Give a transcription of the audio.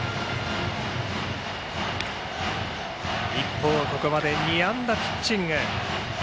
一方、ここまで２安打ピッチング。